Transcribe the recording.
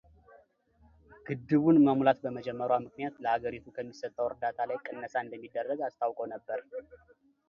ግድቡን መሙላት በመጀመሯ ምክንያት ለአገሪቱ ከሚሰጠው እርዳታ ላይ ቅነሳ እንደሚያደርግ አስታውቆ ነበር።